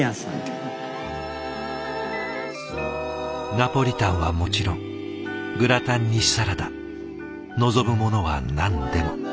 ナポリタンはもちろんグラタンにサラダ望むものは何でも。